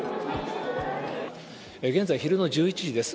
現在、昼の１１時です。